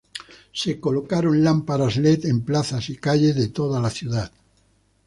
Se colocaron lámparas led en plazas y calles de toda la ciudad.